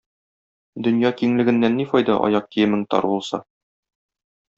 Дөнья киңлегеннән ни файда, аяк киемең тар булса?